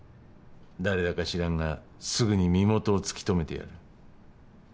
誰だか知らんがすぐに身元を突き止めてやる。